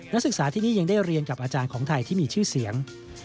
นักศึกษาที่นี่ยังได้เรียนกับอาจารย์ของไทยที่มีชื่อเสียง